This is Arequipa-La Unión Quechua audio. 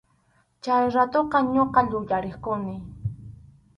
Chay ratutaq ñuqa yuyarirquni.